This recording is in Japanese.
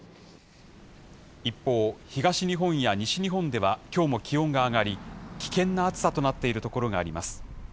一方、東日本や西日本では、きょうも気温が上がり、危険な暑さとなっている所があります。